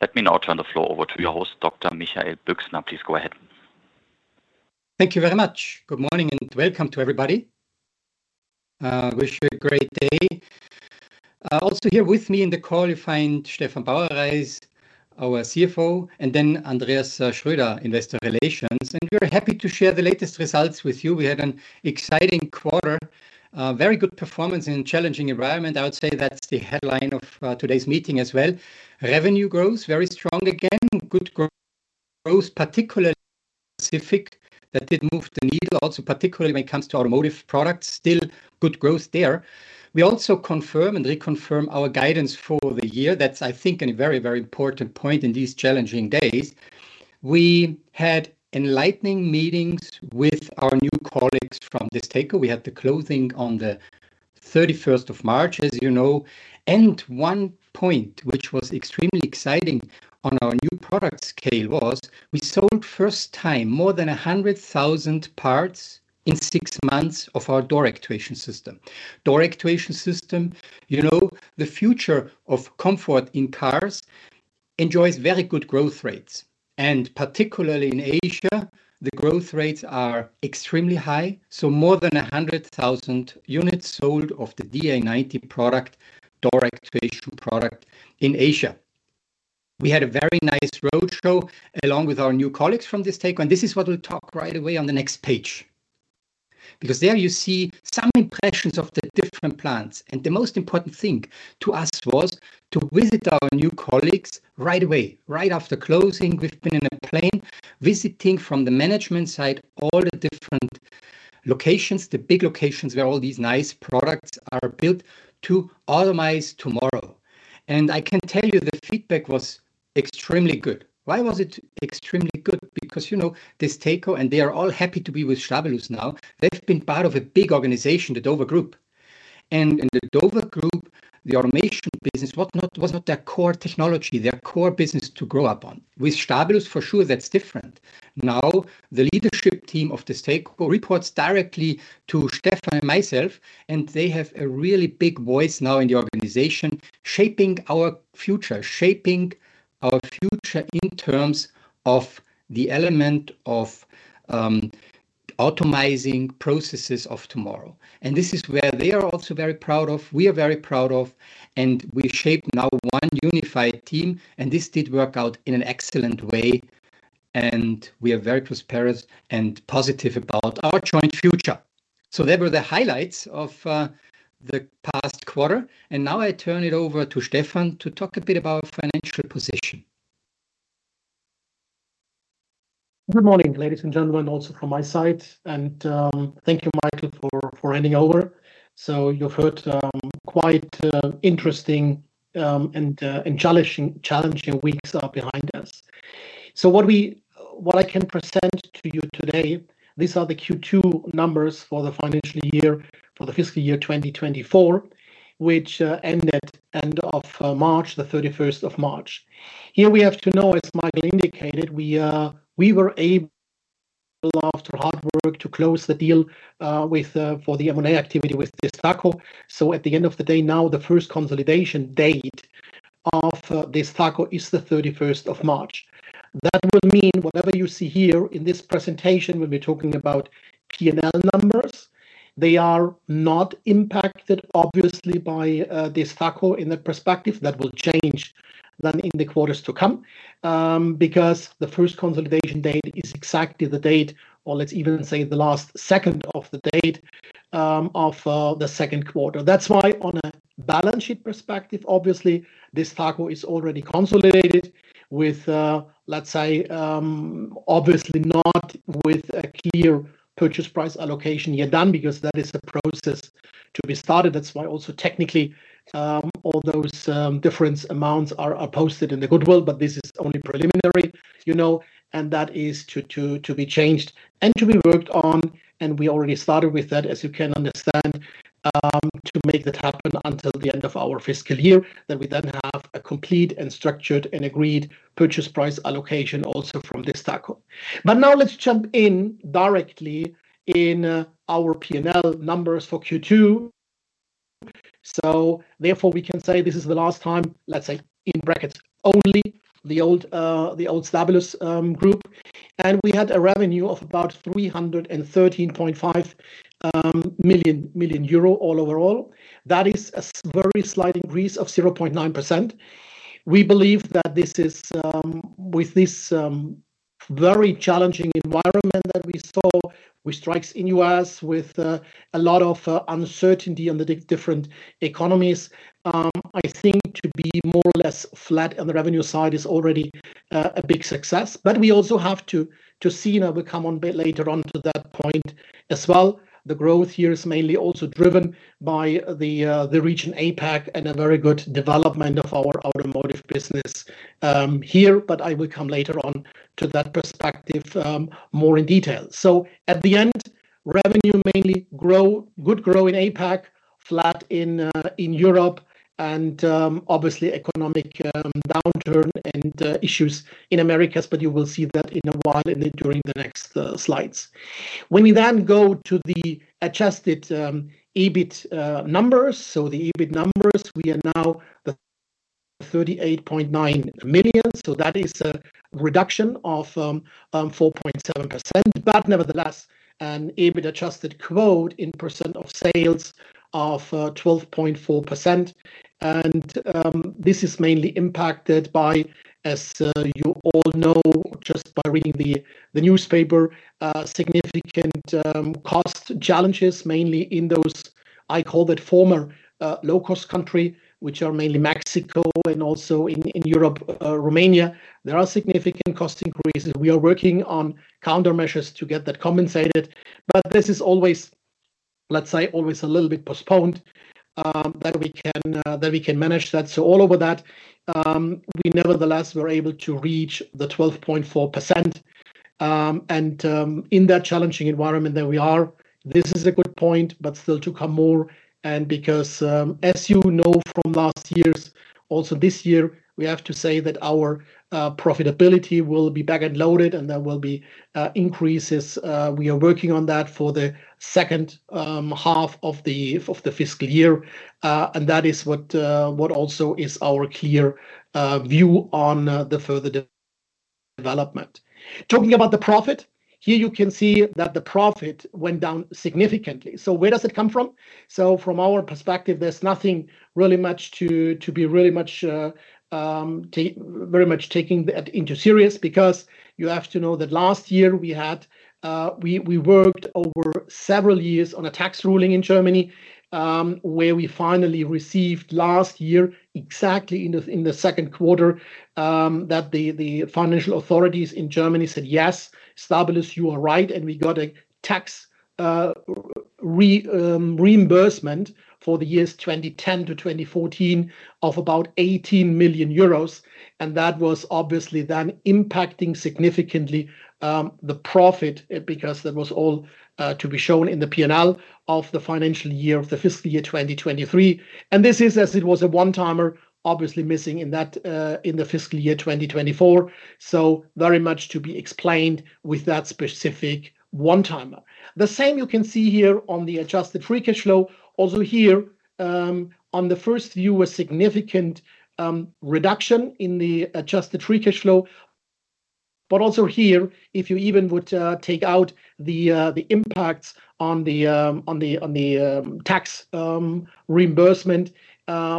Let me now turn the floor over to your host, Dr. Michael Büchsner. Please go ahead. Thank you very much. Good morning, and welcome to everybody. Wish you a great day. Also here with me in the call, you find Stefan Bauerreis, our CFO, and then Andreas Schröder, Investor Relations. And we're happy to share the latest results with you. We had an exciting quarter, a very good performance in a challenging environment. I would say that's the headline of today's meeting as well. Revenue growth, very strong again. Good growth, growth, particularly Pacific, that did move the needle also, particularly when it comes to automotive products, still good growth there. We also confirm and reconfirm our guidance for the year. That's, I think, a very, very important point in these challenging days. We had enlightening meetings with our new colleagues from DESTACO. We had the closing on the thirty-first of March, as you know, and one point, which was extremely exciting on our new product scale, was we sold first time, more than 100,000 parts in six months of our door actuation system. Door actuation system, you know, the future of comfort in cars enjoys very good growth rates, and particularly in Asia, the growth rates are extremely high. So more than 100,000 units sold of the DA90 product, door actuation product in Asia. We had a very nice roadshow along with our new colleagues from DESTACO, and this is what we'll talk right away on the next page. Because there you see some impressions of the different plants, and the most important thing to us was to visit our new colleagues right away. Right after closing, we've been in a plane visiting from the management side all the different locations, the big locations, where all these nice products are built to automate tomorrow. And I can tell you, the feedback was extremely good. Why was it extremely good? Because, you know, DESTACO, and they are all happy to be with Stabilus now. They've been part of a big organization, the Dover Group. And in the Dover Group, the automation business was not, was not their core technology, their core business to grow up on. With Stabilus, for sure, that's different. Now, the leadership team of DESTACO reports directly to Stefan and myself, and they have a really big voice now in the organization, shaping our future. Shaping our future in terms of the element of automating processes of tomorrow. And this is where they are also very proud of, we are very proud of, and we shape now one unified team, and this did work out in an excellent way, and we are very prosperous and positive about our joint future. So they were the highlights of the past quarter, and now I turn it over to Stefan to talk a bit about financial position. Good morning, ladies and gentlemen, also from my side, and thank you, Michael, for handing over. So you've heard quite interesting and challenging weeks are behind us. So what I can present to you today, these are the Q2 numbers for the financial year, for the fiscal year 2024, which ended end of March, the thirty-first of March. Here we have to know, as Michael indicated, we were able after hard work, to close the deal with for the M&A activity with DESTACO. So at the end of the day, now, the first consolidation date of DESTACO is the thirty-first of March. That would mean whatever you see here in this presentation, we'll be talking about P&L numbers. They are not impacted, obviously, by DESTACO in the perspective that will change then in the quarters to come, because the first consolidation date is exactly the date, or let's even say, the last second of the date, of the Q2 That's why on a balance sheet perspective, obviously, DESTACO is already consolidated with, let's say, obviously not with a clear Purchase Price Allocation yet done, because that is a process to be started. That's why also technically, all those difference amounts are posted in the goodwill, but this is only preliminary, you know, and that is to be changed and to be worked on. We already started with that, as you can understand, to make that happen until the end of our fiscal year, that we then have a complete and structured and agreed Purchase Price Allocation also from DESTACO. But now let's jump in directly in our P&L numbers for Q2. So therefore, we can say this is the last time, let's say, in brackets, only the old, the old Stabilus group, and we had a revenue of about 313.5 million overall. That is a very slight increase of 0.9%. We believe that this is, with this, very challenging environment that we saw, with strikes in US, with a lot of uncertainty on the di... different economies, I think to be more or less flat on the revenue side is already a big success. But we also have to see, and I will come on bit later on to that point as well. The growth here is mainly also driven by the region APAC and a very good development of our automotive business here, but I will come later on to that perspective more in detail. So at the end, revenue mainly grow, good growth in APAC, flat in Europe, and obviously economic downturn and issues in Americas, but you will see that in a while and during the next slides. When we then go to the adjusted EBIT numbers, so the EBIT numbers, we are now the-... 38.9 million, so that is a reduction of 4.7%. But nevertheless, an adjusted EBIT in percent of sales of 12.4%. And this is mainly impacted by, as you all know, just by reading the newspaper, significant cost challenges, mainly in those I call that former low-cost country, which are mainly Mexico and also in Europe, Romania. There are significant cost increases. We are working on countermeasures to get that compensated, but this is always, let's say, always a little bit postponed, that we can manage that. So all over that, we nevertheless were able to reach the 12.4%. And in that challenging environment that we are, this is a good point, but still to come more. Because, as you know, from last year's, also this year, we have to say that our profitability will be back-end loaded, and there will be increases. We are working on that for the H2 of the fiscal year. And that is what also is our clear view on the further development. Talking about the profit, here you can see that the profit went down significantly. So where does it come from? So from our perspective, there's nothing really much to take very seriously, because you have to know that last year we worked over several years on a tax ruling in Germany, where we finally received last year exactly in the Q2 that the financial authorities in Germany said, "Yes, Stabilus, you are right." And we got a tax reimbursement for the years 2010-2014 of about 18 million euros, and that was obviously then impacting significantly the profit, because that was all to be shown in the P&L of the financial year, of the fiscal year, 2023. And this is as it was a one-timer, obviously missing in the fiscal year, 2024. So very much to be explained with that specific one-timer. The same you can see here on the adjusted free cash flow. Also here, on the first view, a significant reduction in the adjusted free cash flow. But also here, if you even would take out the impacts on the tax reimbursement,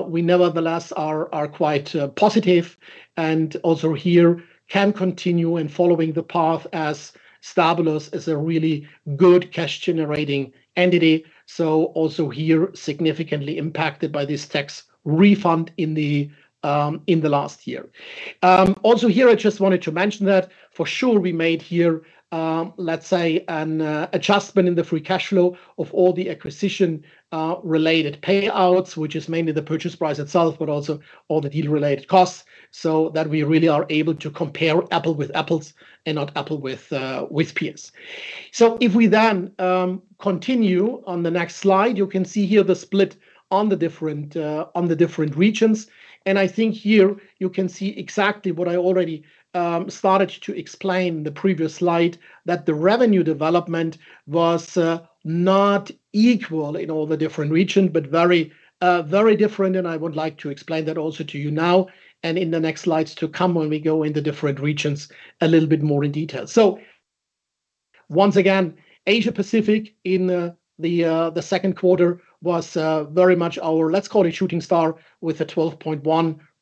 we nevertheless are quite positive and also here can continue in following the path as Stabilus is a really good cash-generating entity, so also here, significantly impacted by this tax refund in the last year. Also here, I just wanted to mention that for sure, we made here, let's say an adjustment in the free cash flow of all the acquisition related payouts, which is mainly the purchase price itself, but also all the deal-related costs, so that we really are able to compare apple with apples and not apple with pears. So if we then continue on the next slide, you can see here the split on the different regions. I think here you can see exactly what I already started to explain in the previous slide, that the revenue development was not equal in all the different regions, but very very different, and I would like to explain that also to you now, and in the next slides to come, when we go in the different regions a little bit more in detail. Once again, Asia Pacific in the Q2 was very much our, let's call it, shooting star, with a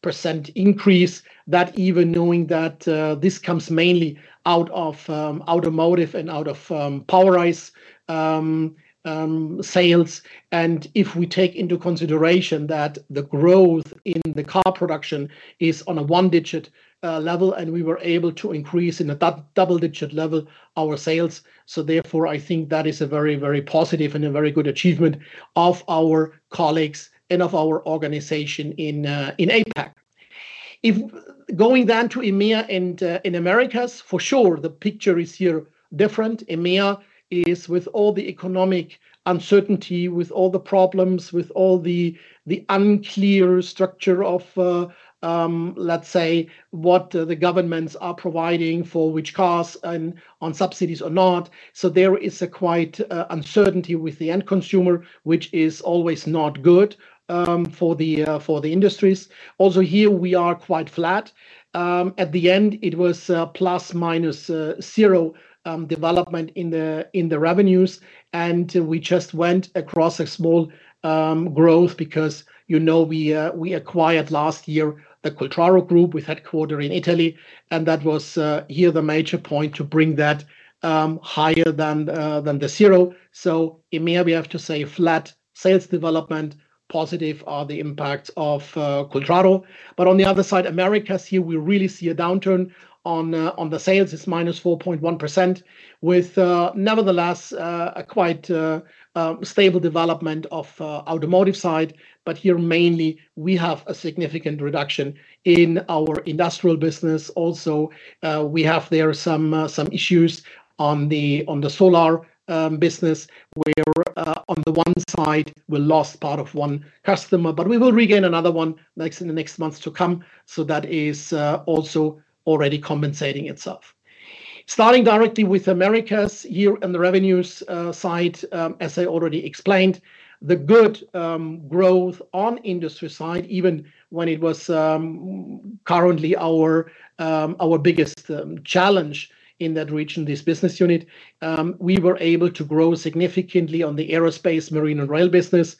12.1% increase. That even knowing that this comes mainly out of automotive and out of POWERISE sales. If we take into consideration that the growth in the car production is on a one-digit level, and we were able to increase in a double-digit level our sales, so therefore, I think that is a very, very positive and a very good achievement of our colleagues and of our organization in APAC. Going down to EMEA and in Americas, for sure, the picture is here different. EMEA is, with all the economic uncertainty, with all the problems, with all the unclear structure of, let's say, what the governments are providing for which cars and on subsidies or not. So there is a quite uncertainty with the end consumer, which is always not good for the industries. Also, here we are quite flat. At the end, it was plus minus zero development in the revenues, and we just went across a small growth, because you know, we acquired last year the Cultraro Group with headquarters in Italy, and that was here the major point to bring that higher than the zero. So EMEA, we have to say flat sales development. Positive are the impacts of Cultraro. But on the other side, Americas, here we really see a downturn on the sales. It's minus 4.1% with nevertheless a quite stable development of automotive side. But here, mainly, we have a significant reduction in our industrial business. Also, we have there some issues on the solar business, where on the one side, we lost part of one customer, but we will regain another one next, in the next months to come. So that is also already compensating itself.... Starting directly with Americas here on the revenues side, as I already explained, the good growth on industry side, even when it was currently our biggest challenge in that region, this business unit, we were able to grow significantly on the aerospace, marine, and rail business.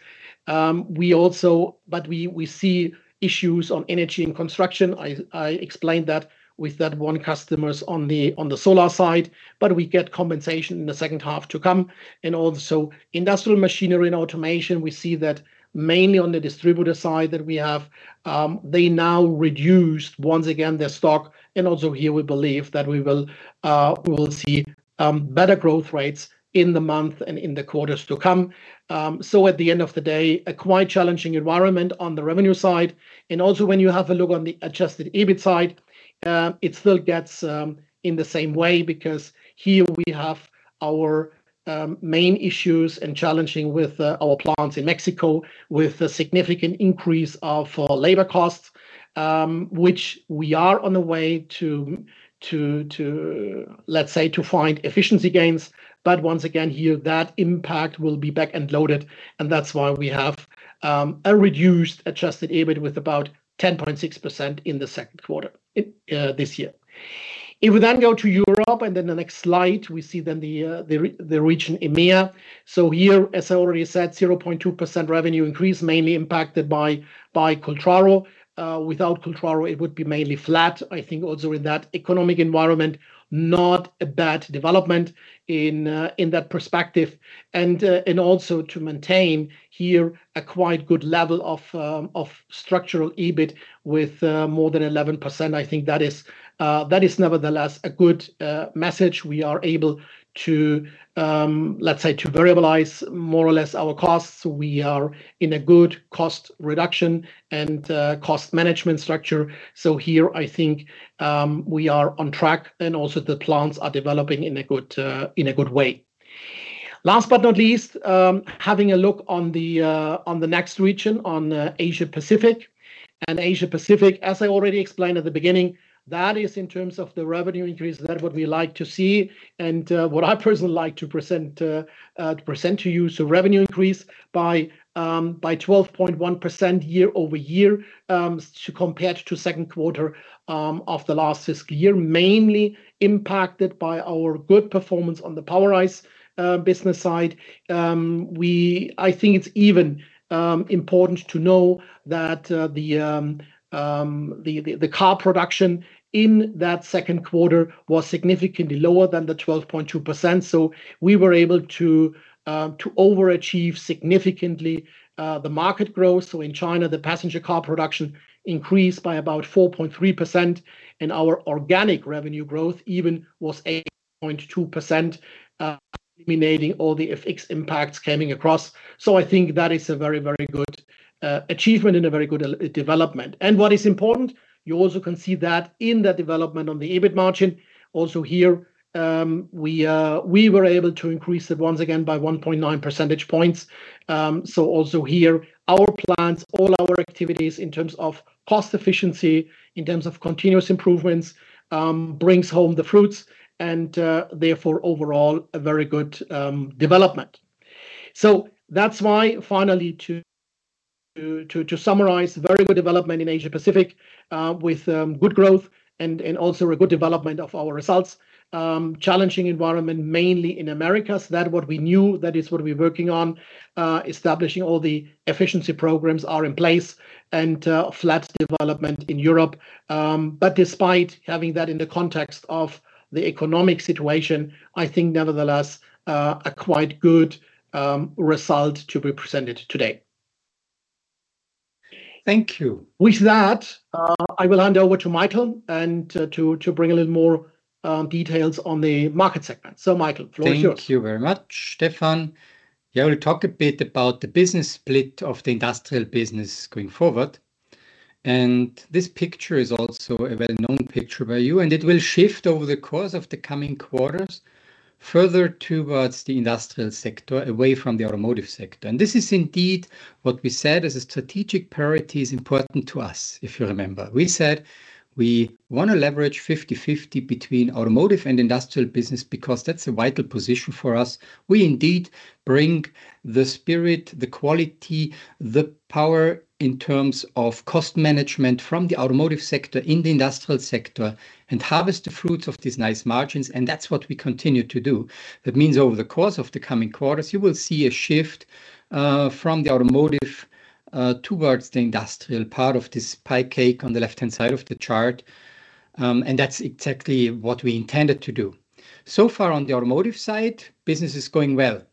But we see issues on energy and construction. I explained that with that one customers on the solar side, but we get compensation in the H2 to come. And also, industrial machinery and automation, we see that mainly on the distributor side, that we have, they now reduced once again their stock. And also here we believe that we will see better growth rates in the month and in the quarters to come. So at the end of the day, a quite challenging environment on the revenue side. And also when you have a look on the Adjusted EBIT side, it still gets in the same way, because here we have our main issues and challenging with our plants in Mexico, with a significant increase of our labor costs, which we are on the way to, let's say, to find efficiency gains. But once again, here, that impact will be back end loaded, and that's why we have a reduced adjusted EBIT with about 10.6% in the Q2, in this year. If we then go to Europe, and then the next slide, we see then the region EMEA. So here, as I already said, 0.2% revenue increase, mainly impacted by Cultraro. Without Cultraro, it would be mainly flat. I think also in that economic environment, not a bad development in that perspective. And also to maintain here a quite good level of adjusted EBIT with more than 11%, I think that is nevertheless a good message. We are able to, let's say, to variabilize more or less our costs. We are in a good cost reduction and cost management structure. So here, I think, we are on track and also the plants are developing in a good, in a good way. Last but not least, having a look on the, on the next region, on, Asia Pacific. And Asia Pacific, as I already explained at the beginning, that is in terms of the revenue increase, that what we like to see and, what I personally like to present, to present to you. So revenue increase by, by 12.1% year-over-year, compared to Q2, of the last fiscal year, mainly impacted by our good performance on the POWERISE business side. I think it's even important to know that the car production in that Q2 was significantly lower than the 12.2%. So we were able to overachieve significantly the market growth. So in China, the passenger car production increased by about 4.3%, and our organic revenue growth even was 8.2%, eliminating all the effects, impacts coming across. So I think that is a very, very good achievement and a very good development. And what is important, you also can see that in the development on the EBIT margin. Also here, we were able to increase it once again by 1.9 percentage points. So also here, our plants, all our activities in terms of cost efficiency, in terms of continuous improvements, brings home the fruits and, therefore, overall, a very good development. So that's why finally, to summarize, very good development in Asia Pacific, with good growth and also a good development of our results. Challenging environment, mainly in Americas. That what we knew, that is what we're working on. Establishing all the efficiency programs are in place and, flat development in Europe. But despite having that in the context of the economic situation, I think nevertheless, a quite good result to be presented today. Thank you. With that, I will hand over to Michael and to bring a little more details on the market segment. So Michael, floor is yours. Thank you very much, Stefan. I will talk a bit about the business split of the industrial business going forward, and this picture is also a well-known picture by you, and it will shift over the course of the coming quarters, further towards the industrial sector, away from the automotive sector. And this is indeed what we said as a strategic priority is important to us, if you remember. We said we want to leverage 50/50 between automotive and industrial business, because that's a vital position for us. We indeed bring the spirit, the quality, the power in terms of cost management from the automotive sector in the industrial sector, and harvest the fruits of these nice margins, and that's what we continue to do. That means over the course of the coming quarters, you will see a shift from the automotive towards the industrial part of this pie cake on the left-hand side of the chart, and that's exactly what we intended to do. So far on the automotive side, business is going well.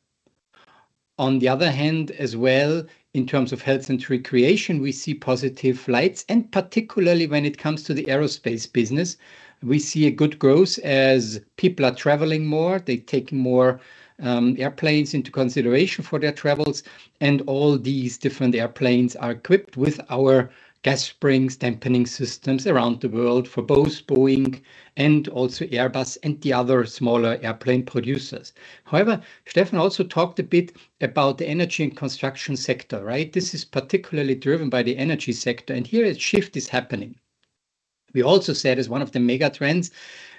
On the other hand, as well, in terms of health and recreation, we see positive lights, and particularly when it comes to the aerospace business, we see a good growth. As people are traveling more, they take more airplanes into consideration for their travels, and all these different airplanes are equipped with our gas springs dampening systems around the world for both Boeing and also Airbus and the other smaller airplane producers. However, Stefan also talked a bit about the energy and construction sector, right? This is particularly driven by the energy sector, and here a shift is happening... We also said as one of the mega trends,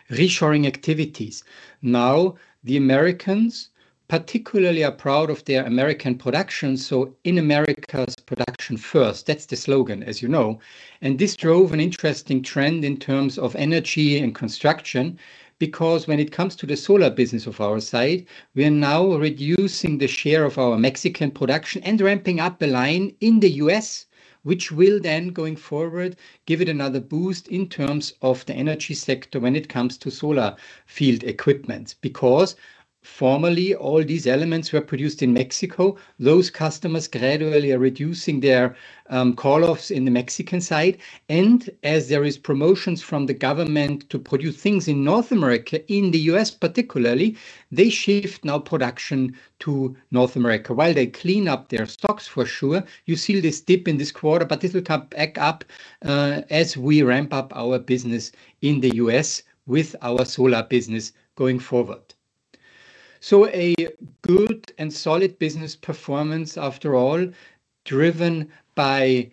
reshoring activities. Now, the Americans particularly are proud of their American production, so in America's production first, that's the slogan, as you know. And this drove an interesting trend in terms of energy and construction, because when it comes to the solar business of our side, we are now reducing the share of our Mexican production and ramping up a line in the US, which will then, going forward, give it another boost in terms of the energy sector when it comes to solar field equipment. Because formerly, all these elements were produced in Mexico. Those customers gradually are reducing their call-offs in the Mexican side, and as there is promotions from the government to produce things in North America, in the US particularly, they shift now production to North America while they clean up their stocks for sure. You see this dip in this quarter, but this will come back up as we ramp up our business in the US with our solar business going forward. So a good and solid business performance, after all, driven by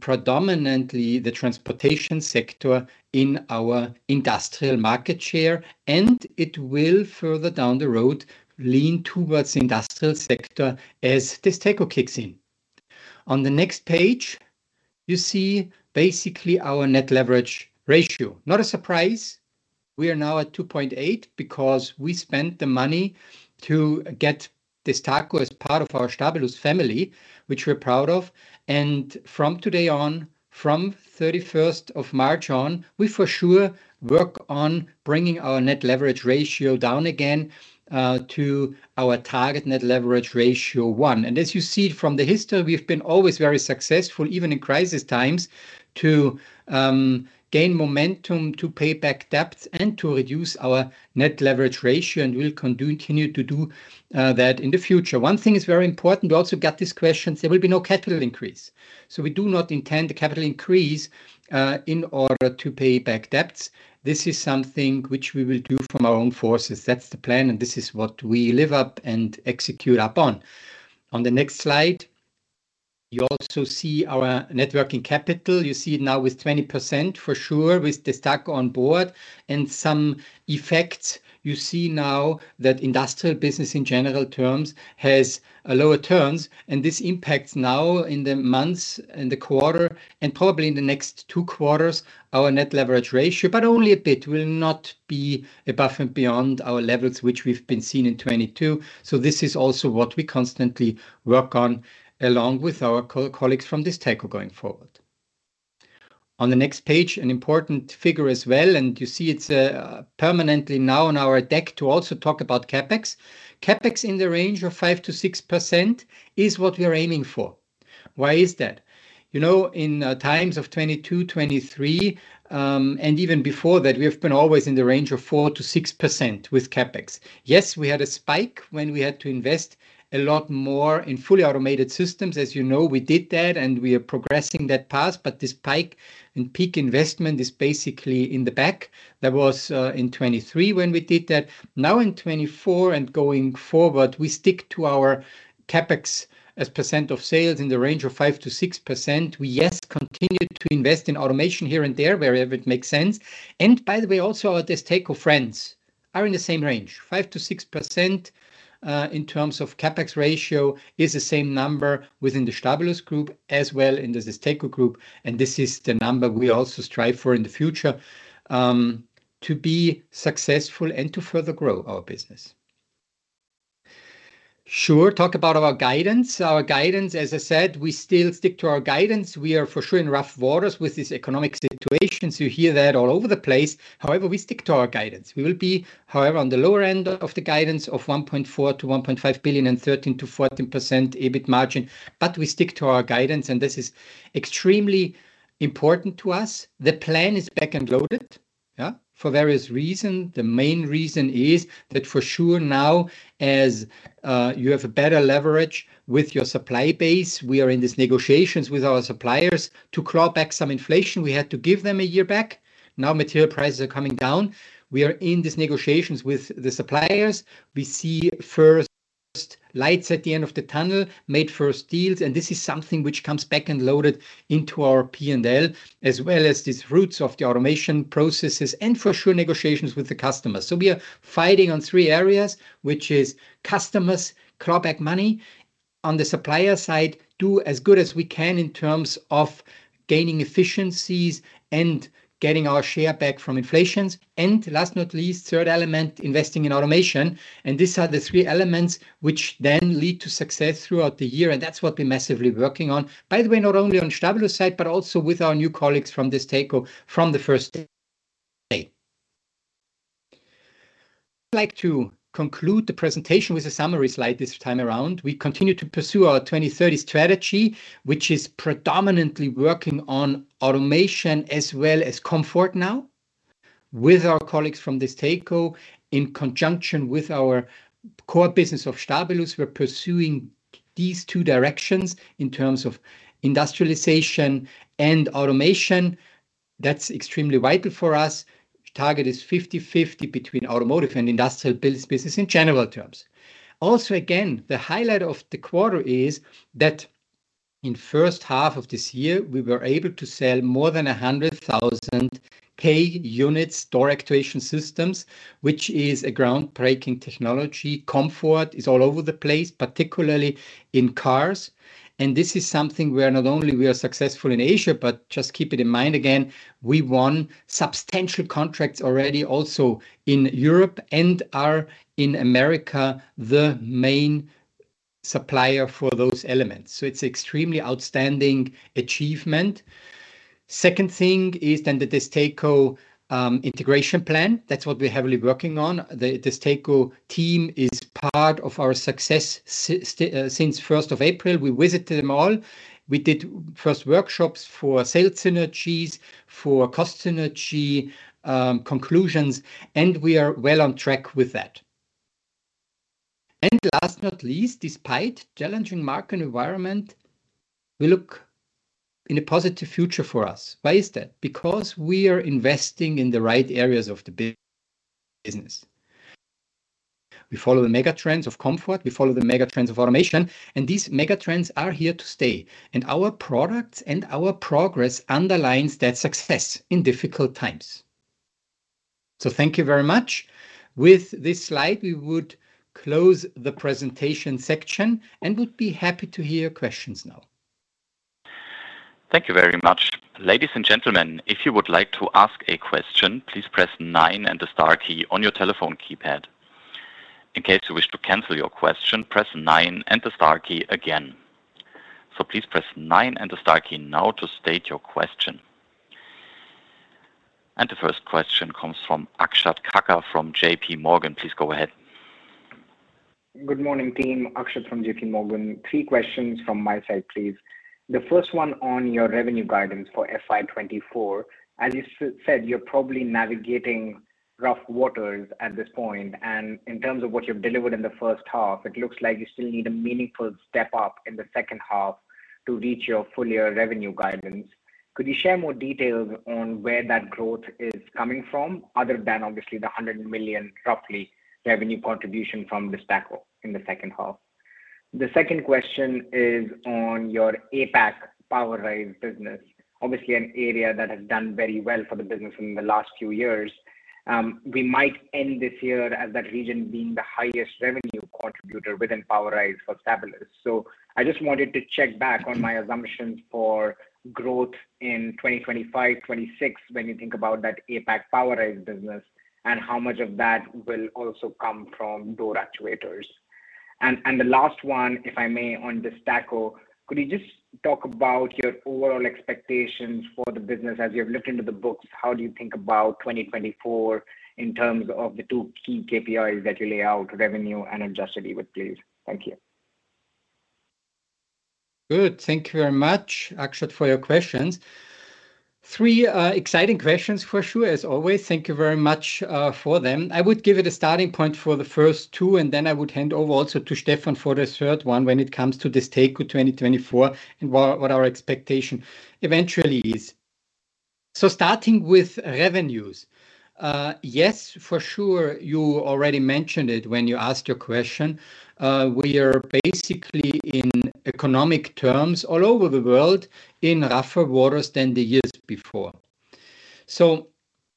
predominantly the transportation sector in our industrial market share, and it will, further down the road, lean towards the industrial sector as DESTACO kicks in. On the next page, you see basically our net leverage ratio. Not a surprise, we are now at 2.8 because we spent the money to get DESTACO as part of our Stabilus family, which we're proud of. And from today on, from March 31 on, we for sure work on bringing our net leverage ratio down again to our target net leverage ratio 1x. And as you see from the history, we've been always very successful, even in crisis times, to gain momentum, to pay back debts, and to reduce our net leverage ratio, and we'll continue to do that in the future. One thing is very important, we also got this question: There will be no capital increase. So we do not intend a capital increase in order to pay back debts. This is something which we will do from our own forces. That's the plan, and this is what we live up and execute upon. On the next slide, you also see our net working capital. You see it now with 20% for sure, with DESTACO on board. Some effects you see now that industrial business, in general terms, has a lower terms, and this impacts now in the months, in the quarter, and probably in the next two quarters, our net leverage ratio, but only a bit. Will not be above and beyond our levels, which we've been seeing in 2022. So this is also what we constantly work on, along with our co-colleagues from DESTACO going forward. On the next page, an important figure as well, and you see it's permanently now on our deck to also talk about CapEx. CapEx in the range of 5%-6% is what we are aiming for. Why is that? You know, in times of 2022, 2023, and even before that, we have been always in the range of 4%-6% with CapEx. Yes, we had a spike when we had to invest a lot more in fully automated systems. As you know, we did that, and we are progressing that path, but the spike in peak investment is basically in the back. That was in 2023 when we did that. Now in 2024 and going forward, we stick to our CapEx as % of sales in the range of 5% to 6%. We, yes, continue to invest in automation here and there, wherever it makes sense. And by the way, also, our DESTACO friends are in the same range. 5% to 6% in terms of CapEx ratio is the same number within the Stabilus group as well in the DESTACO group, and this is the number we also strive for in the future to be successful and to further grow our business. Sure, talk about our guidance. Our guidance, as I said, we still stick to our guidance. We are for sure in rough waters with this economic situation. So you hear that all over the place. However, we stick to our guidance. We will be, however, on the lower end of the guidance of 1.4 to 1.5 billion and 13% to 14% EBIT margin, but we stick to our guidance, and this is extremely important to us. The plan is back and loaded, yeah, for various reasons. The main reason is that for sure now, as you have a better leverage with your supply base, we are in these negotiations with our suppliers to claw back some inflation. We had to give them a year back. Now material prices are coming down. We are in these negotiations with the suppliers. We see first lights at the end of the tunnel, made first deals, and this is something which comes back and loaded into our P&L, as well as these fruits of the automation processes and, for sure, negotiations with the customers. So we are fighting on three areas, which is customers claw back money. On the supplier side, do as good as we can in terms of gaining efficiencies and getting our share back from inflation. And last but not least, third element, investing in automation. And these are the three elements which then lead to success throughout the year, and that's what we're massively working on. By the way, not only on Stabilus side, but also with our new colleagues from DESTACO from the first day. I'd like to conclude the presentation with a summary slide this time around. We continue to pursue our 2030 strategy, which is predominantly working on automation as well as comfort now. With our colleagues from DESTACO, in conjunction with our core business of Stabilus, we're pursuing these two directions in terms of industrialization and automation. That's extremely vital for us. Target is 50/50 between automotive and industrial business in general terms. Also, again, the highlight of the quarter is that in H1 of this year, we were able to sell more than 100,000 units door actuation systems, which is a groundbreaking technology. Comfort is all over the place, particularly in cars, and this is something where not only we are successful in Asia, but just keep it in mind again, we won substantial contracts already also in Europe, and are in America, the main supplier for those elements. So it's extremely outstanding achievement. Second thing is then the DESTACO integration plan. That's what we're heavily working on. The DESTACO team is part of our success story since first of April. We visited them all. We did first workshops for sales synergies, for cost synergy conclusions, and we are well on track with that. And last but not least, despite challenging market environment, we look in a positive future for us. Why is that? Because we are investing in the right areas of the business. We follow the mega trends of comfort, we follow the mega trends of automation, and these mega trends are here to stay, and our products and our progress underlines that success in difficult times. So thank you very much. With this slide, we would close the presentation section and would be happy to hear your questions now. Thank you very much. Ladies and gentlemen, if you would like to ask a question, please press nine and the star key on your telephone keypad. In case you wish to cancel your question, press nine and the star key again. So please press nine and the star key now to state your question. And the first question comes from Akshat Kacker, from JPMorgan. Please go ahead. Good morning, team. Akshat from JP Morgan. Three questions from my side, please. The first one on your revenue guidance for FY 2024. As you said, you're probably navigating rough waters at this point, and in terms of what you've delivered in the H1, it looks like you still need a meaningful step up in the H2 to reach your full year revenue guidance. Could you share more details on where that growth is coming from, other than obviously the 100 million, roughly, revenue contribution from DESTACO in the H2? The second question is on your APAC POWERISE business. Obviously, an area that has done very well for the business in the last few years. We might end this year as that region being the highest revenue contributor within POWERISE for Stabilus. So I just wanted to check back on my assumptions for growth in 2025, 2026, when you think about that APAC POWERISE business, and how much of that will also come from door actuators. And, and the last one, if I may, on DESTACO, could you just talk about your overall expectations for the business as you have looked into the books? How do you think about 2024 in terms of the two key KPIs that you lay out, revenue and adjusted EBIT, please? Thank you. Good. Thank you very much, Akshat, for your questions. Three exciting questions for sure, as always. Thank you very much for them. I would give it a starting point for the first two, and then I would hand over also to Stefan for the third one, when it comes to DESTACO 2024 and what our expectation eventually is. So starting with revenues. Yes, for sure, you already mentioned it when you asked your question. We are basically, in economic terms, all over the world, in rougher waters than the years before. So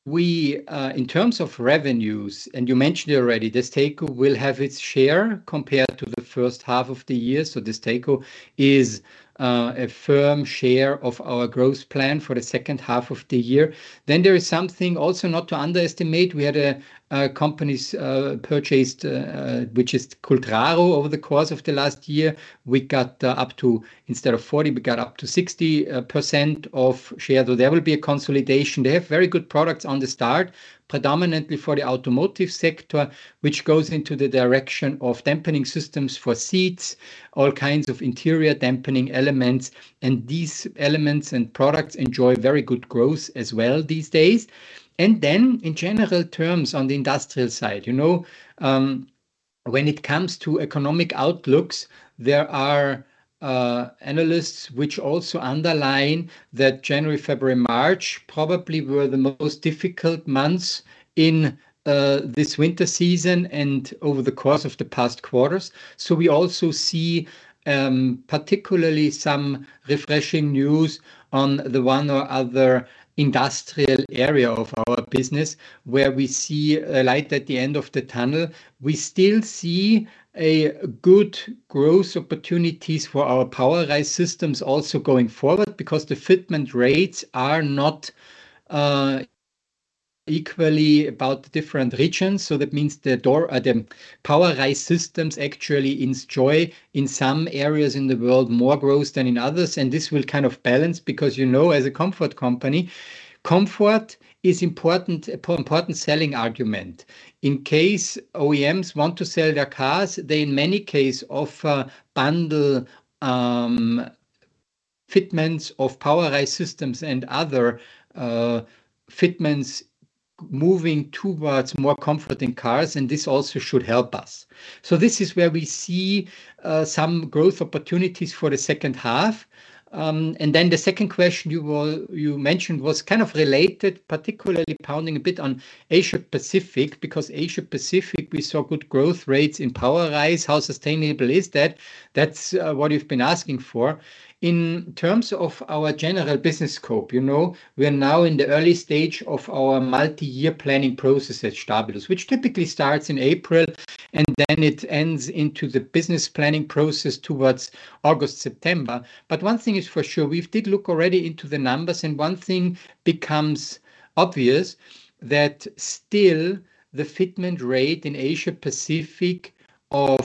we in terms of revenues, and you mentioned already, DESTACO will have its share compared to the H1 of the year, so DESTACO is a firm share of our growth plan for the H2 of the year. Then there is something also not to underestimate. We had a company's purchase which is Cultraro. Over the course of the last year, we got up to, instead of 40, we got up to 60% of share, though there will be a consolidation. They have very good products on the start, predominantly for the automotive sector, which goes into the direction of dampening systems for seats, all kinds of interior dampening elements, and these elements and products enjoy very good growth as well these days. And then, in general terms, on the industrial side, you know, when it comes to economic outlooks, there are analysts which also underline that January, February, March probably were the most difficult months in this winter season and over the course of the past quarters. So we also see, particularly some refreshing news on the one or other industrial area of our business, where we see a light at the end of the tunnel. We still see a good growth opportunities for our POWERISE systems also going forward, because the fitment rates are not equally about the different regions. So that means the POWERISE systems actually enjoy, in some areas in the world, more growth than in others, and this will kind of balance. Because, you know, as a comfort company, comfort is important, important selling argument. In case OEMs want to sell their cars, they in many case offer bundle fitments of POWERISE systems and other fitments moving towards more comfort in cars, and this also should help us. So this is where we see some growth opportunities for the H2. And then the second question you were, you mentioned was kind of related, particularly pounding a bit on Asia Pacific, because Asia Pacific, we saw good growth rates in POWERISE. How sustainable is that? That's what you've been asking for. In terms of our general business scope, you know, we are now in the early stage of our multi-year planning process at Stabilus, which typically starts in April, and then it ends into the business planning process towards August, September. But one thing is for sure, we did look already into the numbers, and one thing becomes obvious, that still the fitment rate in Asia Pacific of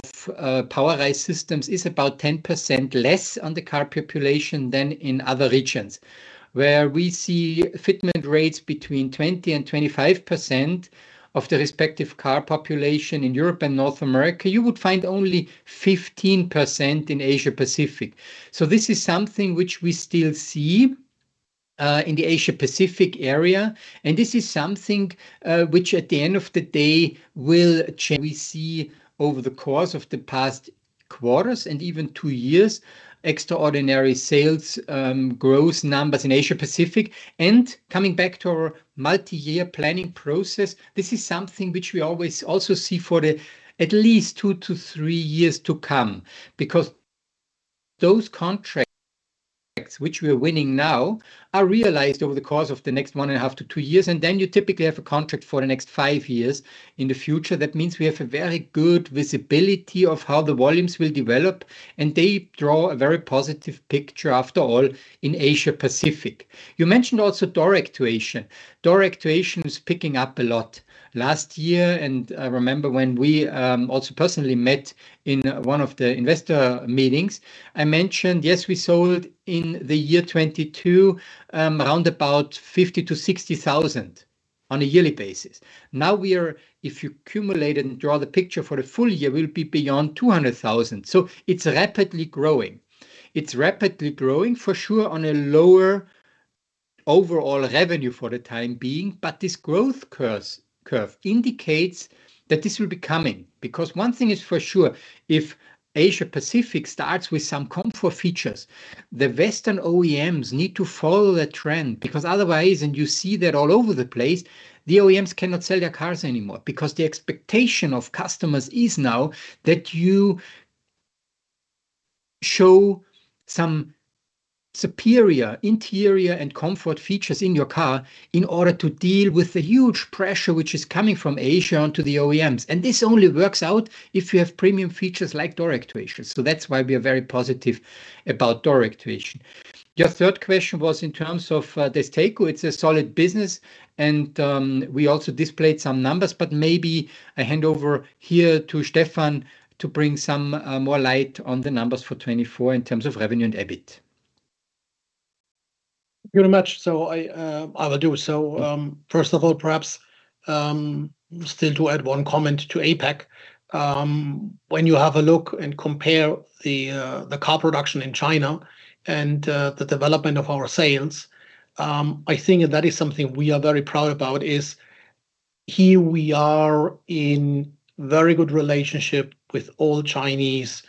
POWERISE systems is about 10% less on the car population than in other regions. Where we see fitment rates between 20% to 25% of the respective car population in Europe and North America, you would find only 15% in Asia Pacific. So this is something which we still see in the Asia Pacific area, and this is something which at the end of the day, we see over the course of the past quarters and even two years, extraordinary sales growth numbers in Asia Pacific. Coming back to our multi-year planning process, this is something which we always also see for the at least two to three years to come. Because those contracts, which we are winning now, are realized over the course of the next one and a half to two years, and then you typically have a contract for the next 5 years in the future. That means we have a very good visibility of how the volumes will develop, and they draw a very positive picture, after all, in Asia Pacific. You mentioned also door actuation. Door actuation was picking up a lot last year, and I remember when we also personally met in one of the investor meetings, I mentioned, yes, we sold in the year 2022 around about 50,000 to 60,000 on a yearly basis. Now we are. If you cumulate and draw the picture for the full year, we'll be beyond 200,000. So it's rapidly growing. It's rapidly growing for sure on a lower overall revenue for the time being, but this growth curve indicates that this will be coming. Because one thing is for sure, if Asia Pacific starts with some comfort features, the Western OEMs need to follow that trend, because otherwise, and you see that all over the place, the OEMs cannot sell their cars anymore, because the expectation of customers is now that you show some superior interior and comfort features in your car in order to deal with the huge pressure which is coming from Asia onto the OEMs. And this only works out if you have premium features like door actuation. So that's why we are very positive about door actuation. Your third question was in terms of, DESTACO. It's a solid business, and, we also displayed some numbers, but maybe I hand over here to Stefan to bring some, more light on the numbers for 2024 in terms of revenue and EBIT. Thank you very much. So, first of all, perhaps still to add one comment to APAC. When you have a look and compare the car production in China and the development of our sales, I think that is something we are very proud about, is here we are in very good relationship with all Chinese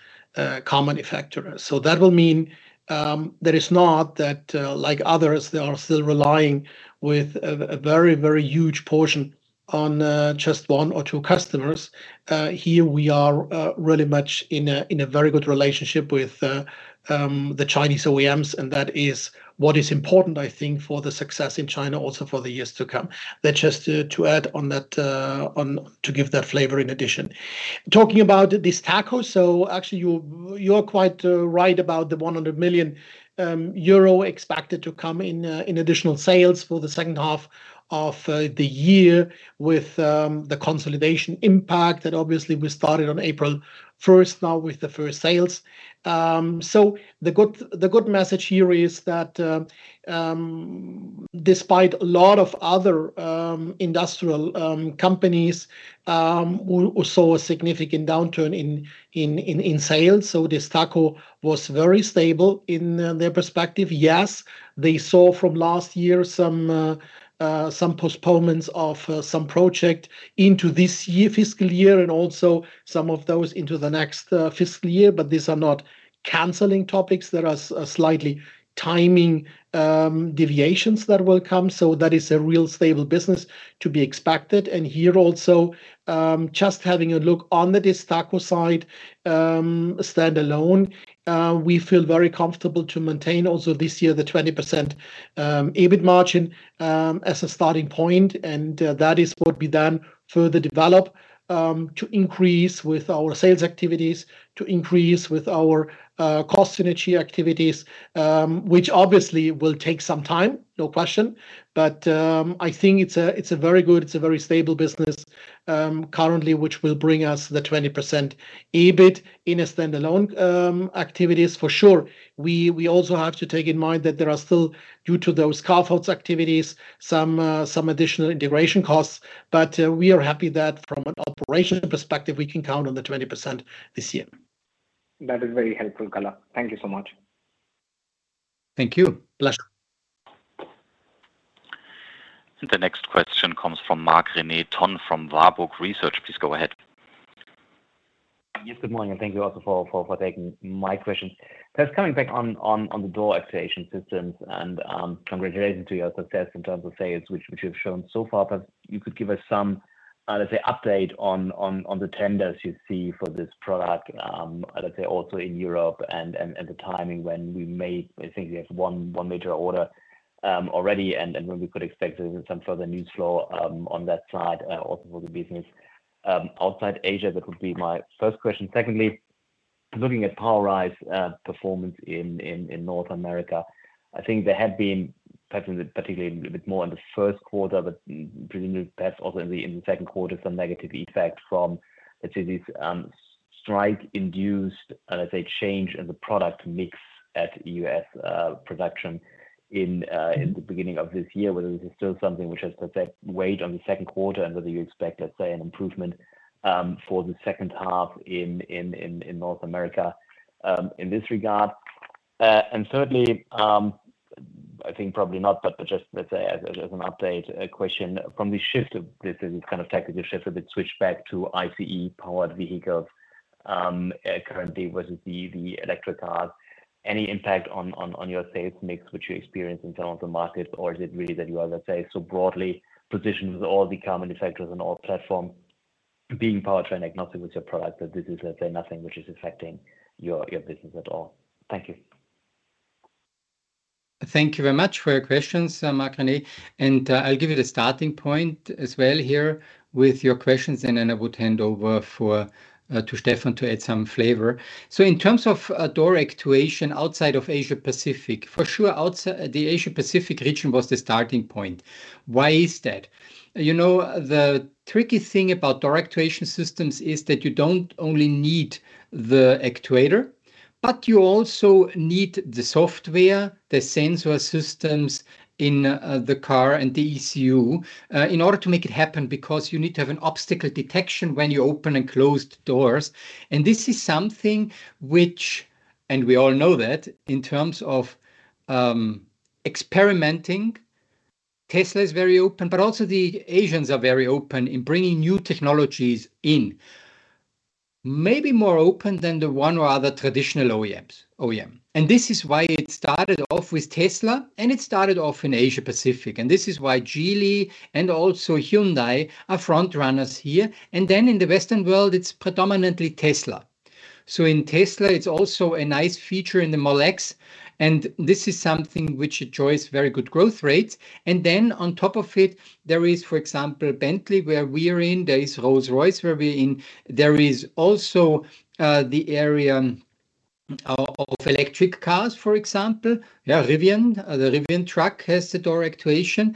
car manufacturers. So that will mean that it's not that, like others, they are still relying with a very, very huge portion on just one or two customers. Here we are really much in a very good relationship with the Chinese OEMs, and that is what is important, I think, for the success in China, also for the years to come. That's just to add on that to give that flavor in addition. Talking about DESTACO, so actually, you're quite right about the 100 million euro expected to come in in additional sales for the H2 of the year, with the consolidation impact that obviously we started on April first, now with the first sales. So the good message here is that despite a lot of other industrial companies we saw a significant downturn in sales, so DESTACO was very stable in their perspective. Yes, they saw from last year some postponements of some project into this year, fiscal year, and also some of those into the next fiscal year, but these are not canceling topics. There are slightly timing deviations that will come. So that is a real stable business to be expected. And here also, just having a look on the DESTACO side, standalone, we feel very comfortable to maintain also this year, the 20% EBIT margin, as a starting point, and that is what we then further develop, to increase with our sales activities, to increase with our cost synergy activities, which obviously will take some time, no question. But I think it's a very good, it's a very stable business, currently, which will bring us the 20% EBIT in standalone activities for sure. We also have to take in mind that there are still, due to those car faults activities, some additional integration costs. We are happy that from an operational perspective, we can count on the 20% this year. That is very helpful, color. Thank you so much. Thank you. Pleasure.... The next question comes from Marc-René Tonn from Warburg Research. Please go ahead. Yes, good morning, and thank you also for taking my question. Just coming back on the door actuation systems, and congratulations to your success in terms of sales, which you've shown so far, but you could give us some, let's say, update on the tenders you see for this product, let's say, also in Europe and the timing when we may, I think we have one major order already and when we could expect some further news flow on that side, also for the business outside Asia. That would be my first question. Secondly, looking at POWERISE performance in North America, I think there had been perhaps particularly a bit more in the Q1, but presumably perhaps also in the Q2, some negative effect from, let's say, this strike-induced, let's say, change in the product mix at US production in the beginning of this year. Whether this is still something which has perhaps weighed on the Q2, and whether you expect, let's say, an improvement for the H2 in North America in this regard. And thirdly, I think probably not, but just let's say as an update, a question from the shift of this is kind of technical shift, a bit switch back to ICE-powered vehicles currently versus the electric cars. Any impact on your sales mix, which you experience in terms of the market, or is it really that you are, let's say, so broadly positioned with all the car manufacturers on all platform being powertrain agnostic with your product, that this is, let's say, nothing which is affecting your business at all? Thank you. Thank you very much for your questions, Marc-René, and, I'll give you the starting point as well here with your questions, and then I would hand over for, to Stefan to add some flavor. So in terms of, door actuation outside of Asia Pacific, for sure, outside the Asia Pacific region was the starting point. Why is that? You know, the tricky thing about door actuation systems is that you don't only need the actuator, but you also need the software, the sensor systems in, the car, and the ECU, in order to make it happen, because you need to have an obstacle detection when you open and close the doors. And this is something which, and we all know that, in terms of, experimenting, Tesla is very open, but also the Asians are very open in bringing new technologies in. Maybe more open than the one or other traditional OEMs, OEM. And this is why it started off with Tesla, and it started off in Asia Pacific, and this is why Geely and also Hyundai are front runners here. And then in the Western world, it's predominantly Tesla. So in Tesla, it's also a nice feature in the Model X, and this is something which enjoys very good growth rates. And then on top of it, there is, for example, Bentley, where we are in, there is Rolls-Royce, where we are in. There is also the area of electric cars, for example. Yeah, Rivian. The Rivian truck has the door actuation,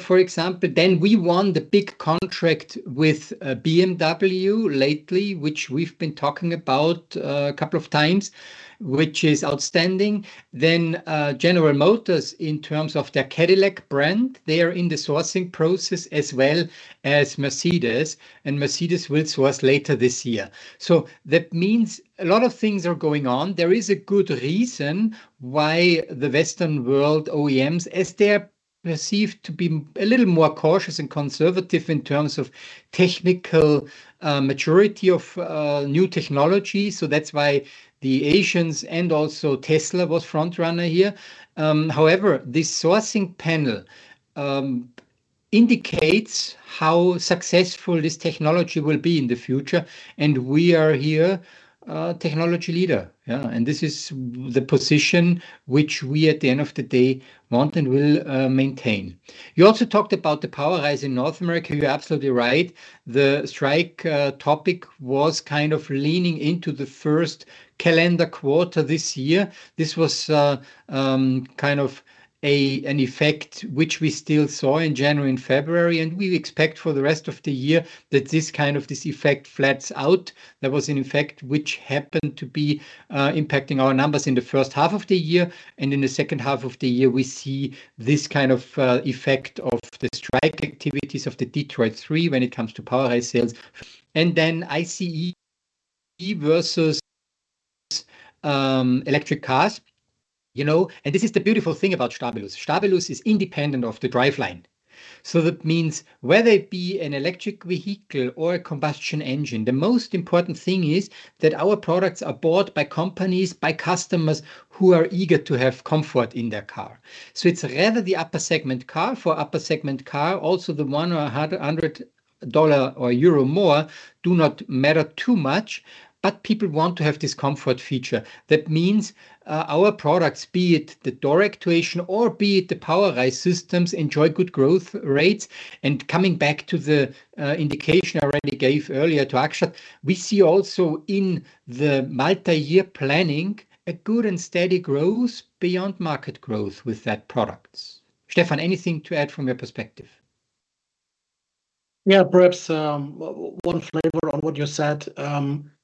for example. Then we won the big contract with BMW lately, which we've been talking about a couple of times, which is outstanding. Then, General Motors, in terms of their Cadillac brand, they are in the sourcing process, as well as Mercedes, and Mercedes with us later this year. So that means a lot of things are going on. There is a good reason why the Western world OEMs, as they're perceived to be a little more cautious and conservative in terms of technical, maturity of, new technology. So that's why the Asians and also Tesla was front runner here. However, this sourcing panel indicates how successful this technology will be in the future, and we are here, technology leader. Yeah, and this is the position which we, at the end of the day, want and will, maintain. You also talked about the power rise in North America. You're absolutely right. The strike, topic was kind of leaning into the first calendar quarter this year. This was kind of an effect which we still saw in January and February, and we expect for the rest of the year that this kind of this effect flattens out. There was an effect which happened to be impacting our numbers in the H1 of the year, and in the H2 of the year, we see this kind of effect of the strike activities of the Detroit Three when it comes to powerlift sales. And then ICE versus electric cars, you know, and this is the beautiful thing about Stabilus. Stabilus is independent of the driveline. So that means whether it be an electric vehicle or a combustion engine, the most important thing is that our products are bought by companies, by customers who are eager to have comfort in their car. So it's rather the upper segment car. For upper segment car, also the $100 or EUR 100 more do not matter too much, but people want to have this comfort feature. That means, our products, be it the door actuation or be it the POWERISE systems, enjoy good growth rates. And coming back to the indication I already gave earlier to Akshat, we see also in the multi-year planning, a good and steady growth beyond market growth with that products. Stefan, anything to add from your perspective?... Yeah, perhaps, one flavor on what you said,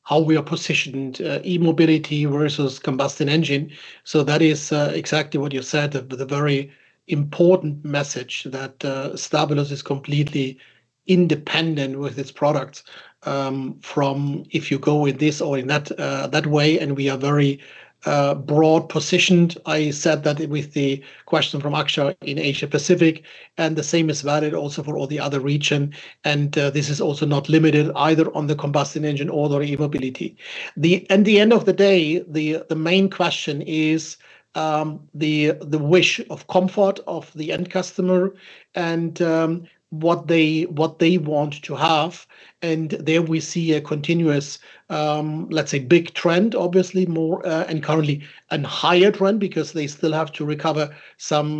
how we are positioned, e-mobility versus combustion engine. So that is exactly what you said, but the very important message that Stabilus is completely independent with its products, from if you go with this or in that, that way, and we are very broad positioned. I said that with the question from Akshat in Asia Pacific, and the same is valid also for all the other region, and this is also not limited either on the combustion engine or the e-mobility. At the end of the day, the main question is, the wish of comfort of the end customer and what they want to have. And there we see a continuous, let's say, big trend, obviously, more, and currently a higher trend because they still have to recover some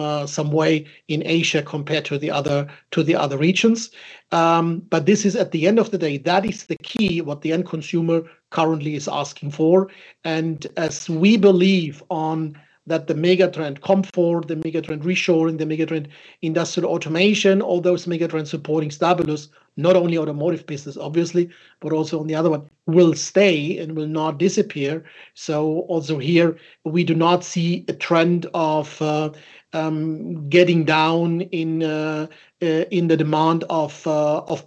way in Asia compared to the other, to the other regions. But this is at the end of the day, that is the key, what the end consumer currently is asking for. And as we believe on that the mega trend comfort, the mega trend reshoring, the mega trend industrial automation, all those mega trends supporting Stabilus, not only automotive business obviously, but also on the other one, will stay and will not disappear. So also here, we do not see a trend of getting down in the demand of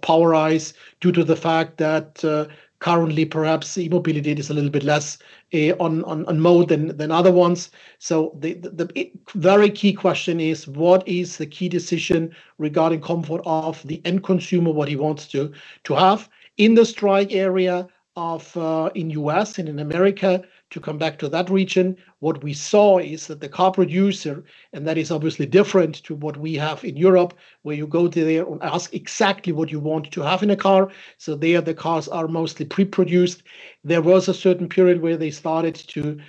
POWERISE due to the fact that currently, perhaps e-mobility is a little bit less on mode than other ones. So the very key question is: What is the key decision regarding comfort of the end consumer, what he wants to have? In the strike area of in US and in America, to come back to that region, what we saw is that the car producer, and that is obviously different to what we have in Europe, where you go to there and ask exactly what you want to have in a car. So there, the cars are mostly pre-produced. There was a certain period where they started to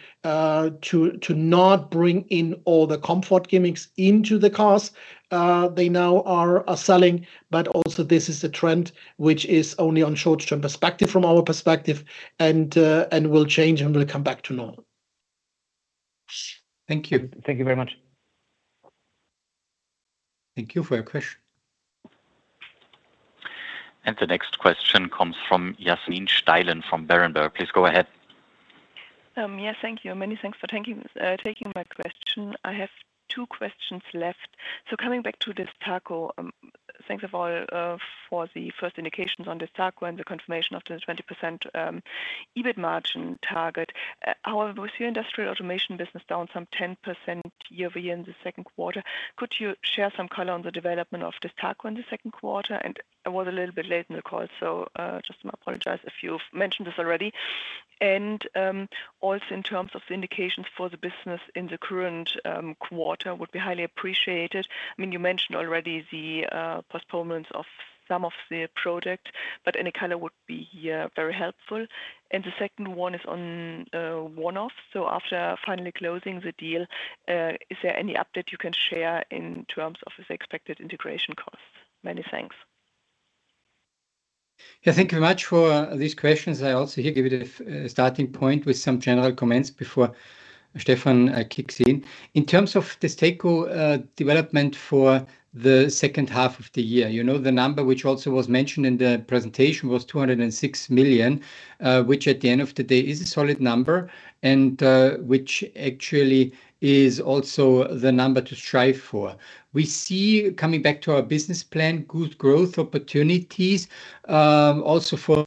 not bring in all the comfort gimmicks into the cars they now are selling. But also this is a trend which is only on short-term perspective from our perspective and will change, and will come back to normal. Thank you. Thank you very much. Thank you for your question. The next question comes from Yasmin Steilen from Berenberg. Please go ahead. Yes, thank you. Many thanks for taking my question. I have two questions left. So coming back to DESTACO, thanks, above all, for the first indications on DESTACO and the confirmation of the 20% EBIT margin target. However, with your industrial automation business down some 10% year-over-year in the Q2, could you share some color on the development of DESTACO in the Q2? And I was a little bit late in the call, so I just apologize if you've mentioned this already. And also in terms of indications for the business in the current quarter would be highly appreciated. I mean, you mentioned already the postponements of some of the project, but any color would be very helpful. And the second one is on one-off. After finally closing the deal, is there any update you can share in terms of the expected integration costs? Many thanks. Yeah, thank you very much for these questions. I also here give it a starting point with some general comments before Stefan kicks in. In terms of DESTACO development for the H2 of the year, you know, the number which also was mentioned in the presentation was 206 million, which at the end of the day is a solid number, and which actually is also the number to strive for. We see, coming back to our business plan, good growth opportunities also for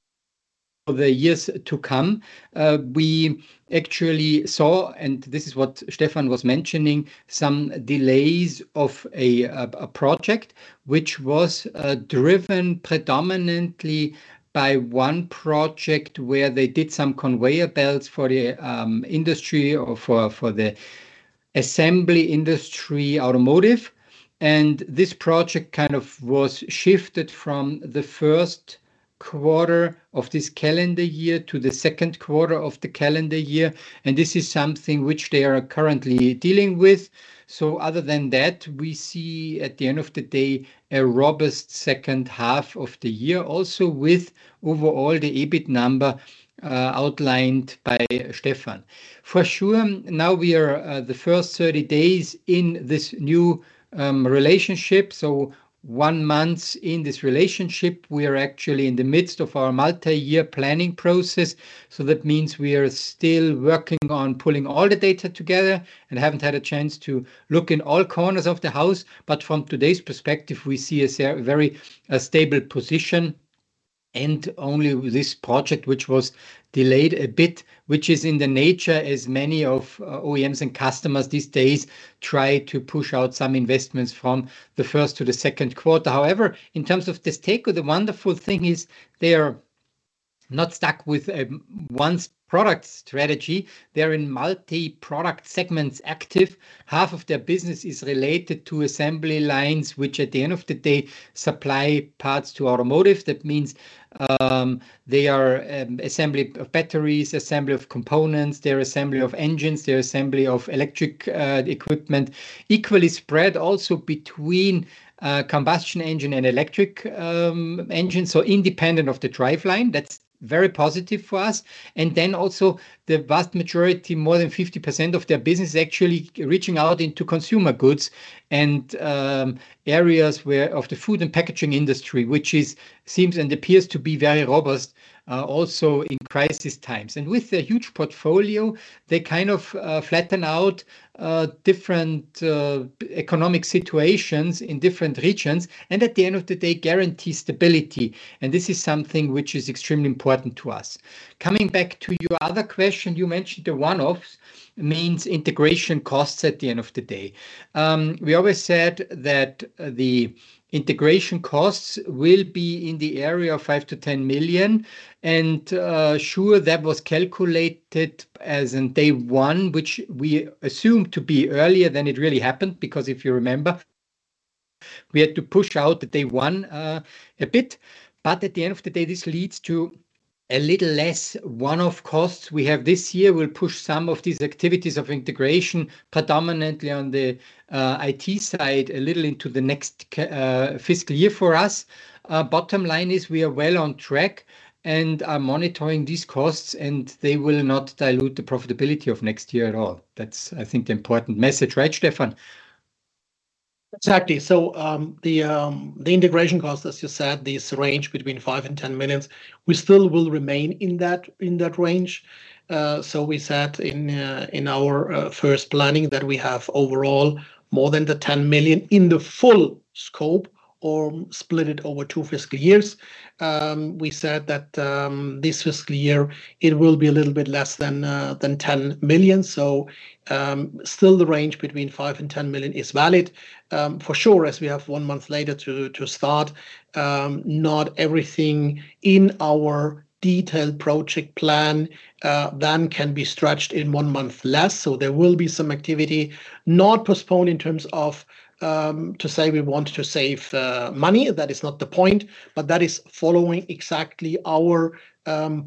the years to come. We actually saw, and this is what Stefan was mentioning, some delays of a project which was driven predominantly by one project, where they did some conveyor belts for the industry or for the assembly industry, automotive. This project kind of was shifted from the Q1 of this calendar year to the Q2 of the calendar year, and this is something which they are currently dealing with. Other than that, we see, at the end of the day, a robust H2 of the year, also with overall the EBIT number outlined by Stefan. For sure, now we are the first 30 days in this new relationship, so one month in this relationship, we are actually in the midst of our multi-year planning process. That means we are still working on pulling all the data together and haven't had a chance to look in all corners of the house. But from today's perspective, we see a very stable position and only this project, which was delayed a bit, which is in the nature as many of OEMs and customers these days try to push out some investments from the first to the Q2. However, in terms of DESTACO, the wonderful thing is they are not stuck with one's product strategy. They're in multi-product segments, active. Half of their business is related to assembly lines, which at the end of the day, supply parts to automotive. That means, they are assembly of batteries, assembly of components, they're assembly of engines, they're assembly of electric equipment. Equally spread also between combustion engine and electric engines, so independent of the driveline. That's very positive for us. And then also the vast majority, more than 50% of their business, is actually reaching out into consumer goods and areas of the food and packaging industry, which seems and appears to be very robust also in crisis times. And with a huge portfolio, they kind of flatten out different economic situations in different regions, and at the end of the day, guarantee stability, and this is something which is extremely important to us. Coming back to your other question, you mentioned the one-offs, means integration costs at the end of the day. We always said that the integration costs will be in the area of 5 to 10 million, and sure, that was calculated as in day one, which we assumed to be earlier than it really happened, because if you remember, we had to push out the day one a bit. But at the end of the day, this leads to a little less one-off costs. We have this year, we'll push some of these activities of integration, predominantly on the IT side, a little into the next fiscal year for us. Bottom line is we are well on track and are monitoring these costs, and they will not dilute the profitability of next year at all. That's, I think, the important message, right, Stefan? Exactly. So, the integration costs, as you said, this range between 5-10 million, we still will remain in that range. So we said in our first planning that we have overall more than the 10 million in the full scope or split it over two fiscal years. We said that, this fiscal year it will be a little bit less than 10 million. So, still the range between 5-10 million is valid. For sure, as we have one month later to start, not everything in our detailed project plan, then can be stretched in one month less. So there will be some activity, not postponed in terms of to say we want to save money. That is not the point, but that is following exactly our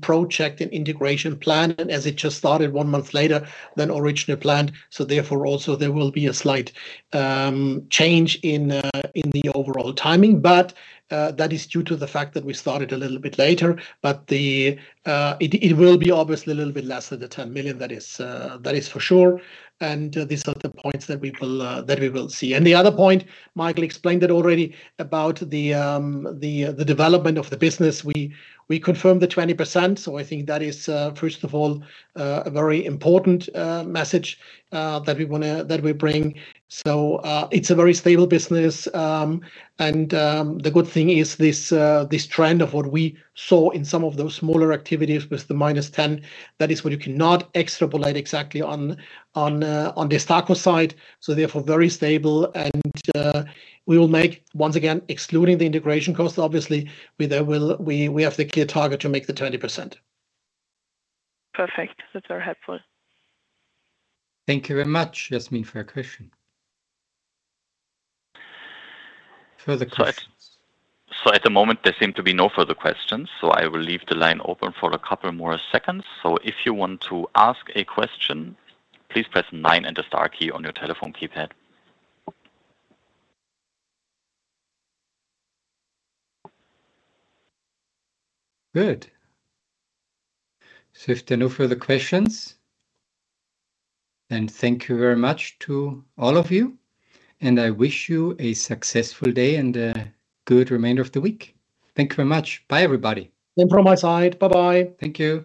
project and integration plan, and as it just started one month later than originally planned. So therefore, also there will be a slight change in the overall timing, but that is due to the fact that we started a little bit later. But the... It will be obviously a little bit less than the 10 million, that is for sure, and these are the points that we will see. And the other point, Michael explained it already, about the development of the business. We confirmed the 20%, so I think that is first of all a very important message that we wanna bring. So it's a very stable business. The good thing is this, this trend of what we saw in some of those smaller activities with the -10, that is what you cannot extrapolate exactly on, on, on the DESTACO side, so therefore, very stable. And, we will make, once again, excluding the integration cost, obviously, we have the clear target to make the 20%. Perfect. That's very helpful. Thank you very much, Yasmin, for your question. Further questions? So at the moment, there seem to be no further questions, so I will leave the line open for a couple more seconds. So if you want to ask a question, please press nine and the star key on your telephone keypad. Good. So if there are no further questions, then thank you very much to all of you, and I wish you a successful day and a good remainder of the week. Thank you very much. Bye, everybody. Same from my side. Bye-bye. Thank you.